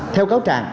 theo cáo trạng